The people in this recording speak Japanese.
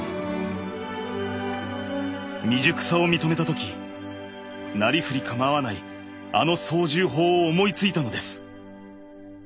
未熟さを認めた時なりふりかまわないあの操縦法を思いついたのです。